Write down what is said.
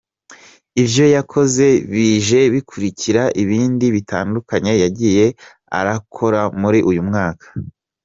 Ivyo yakoze bije bikurikira ibindi bitandukanye yagiye arakora muri uyu mwaka.